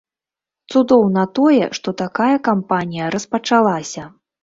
Цудоўна тое, што такая кампанія распачалася.